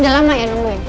udah lama ya nungguin